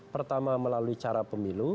pertama melalui cara pemilu